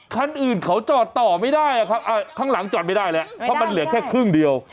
คันอื่นเขาจอดต่อไม่ได้ครับข้างหลังจอดไม่ได้แล้วเพราะมันเหลือแค่ครึ่งเดียว